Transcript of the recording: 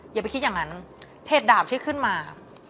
อย่าไปคิดอย่างนั้นเพจดาบที่ขึ้นมา